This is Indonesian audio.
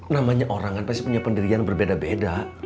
namanya orang kan pasti punya pendirian berbeda beda